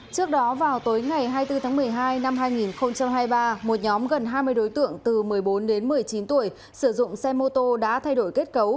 trước đó vào tối ngày hai mươi bốn tháng một mươi hai năm hai nghìn hai mươi ba một nhóm gần hai mươi đối tượng từ một mươi bốn đến một mươi chín tuổi sử dụng xe mô tô đã thay đổi kết cấu